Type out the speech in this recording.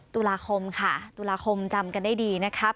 ตุลาคมค่ะตุลาคมจำกันได้ดีนะครับ